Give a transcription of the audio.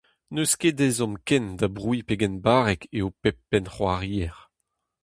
N'eus ket ezhomm ken da brouiñ pegen barrek eo pep pennc'hoarier.